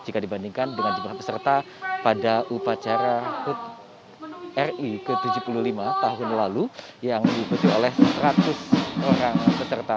jika dibandingkan dengan jumlah peserta pada upacara hut ri ke tujuh puluh lima tahun lalu yang diikuti oleh seratus orang peserta